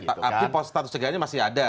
tapi status cegahnya masih ada